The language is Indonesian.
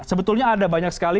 sebetulnya ada banyak sekali